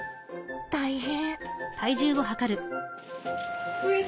大変。